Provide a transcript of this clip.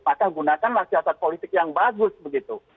maka gunakanlah siasat politik yang bagus begitu